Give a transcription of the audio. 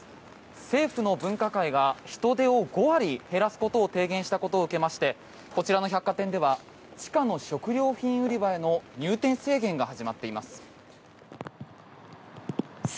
政府の分科会が人出を５割減らすことを提言したことを受けましてこちらの百貨店では地下の食料品売り場への入店制限が始まっています。